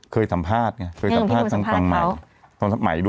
เคยสัมภาษณ์สังสังภาษณ์ใหม่